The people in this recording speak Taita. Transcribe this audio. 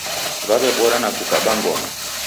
Waw'ebora na kukaba ngoma.